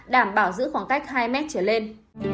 đảm bảo giữ khoảng cách hai m trở lên